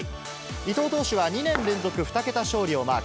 伊藤投手は２年連続２桁勝利をマーク。